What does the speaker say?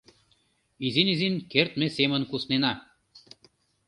Изин-изин, кертме семын куснена.